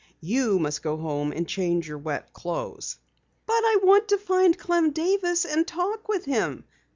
"You must go home and change your wet clothes." "But I want to find Clem Davis and talk with him!"